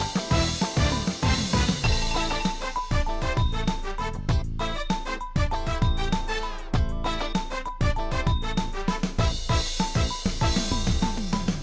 ถ้าชนะนัดเช้าหยุดกว่าไปเลย๑๐๐แรงครับ